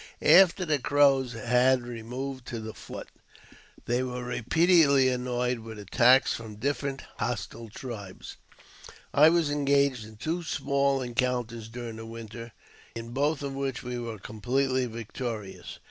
After the Crows had removed to the fort, they were repeatedly annoyed with attacks from different hostile tribes. I was engaged in two small encounters during the winter, in both of which we were completely victorious.